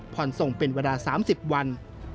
พ่อนส่งเป็นเวลา๓๐วัน